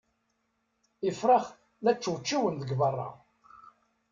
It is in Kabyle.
Ifrax la ččewčiwen deg berra.